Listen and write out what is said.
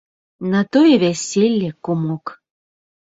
На тое вяселле, кумок.